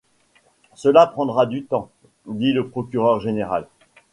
Cela prendra du temps? dit le procureur général.